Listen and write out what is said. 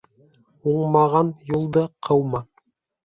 Уңмаған юлды ҡыума.